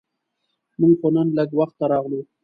مونږ خو نن لږ وخته راغلو.